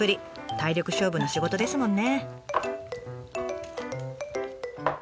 体力勝負の仕事ですもんね。